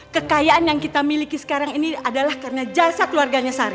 kekayaan yang kita miliki sekarang ini adalah karena jasa keluarganya sarah